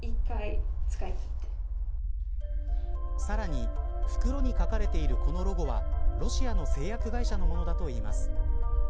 さらに袋に書かれているこのロゴはロシアの製薬会社のものだといいます。